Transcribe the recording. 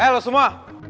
eh lu semua